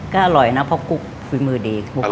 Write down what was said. ก็อร่อยนะเพราะคุยมือดี